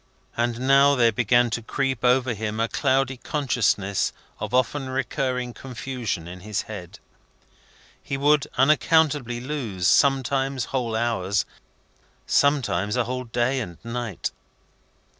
And now there began to creep over him a cloudy consciousness of often recurring confusion in his head. He would unaccountably lose, sometimes whole hours, sometimes a whole day and night.